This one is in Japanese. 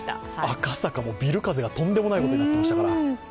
赤坂もビル風がとんでもないことになっていましたから。